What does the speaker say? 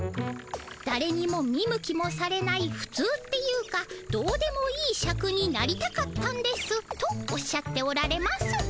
だれにも見向きもされないふつうっていうかどうでもいいシャクになりたかったんです」とおっしゃっておられます。